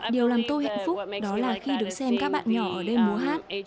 điều làm tôi hạnh phúc đó là khi được xem các bạn nhỏ ở đây bố hát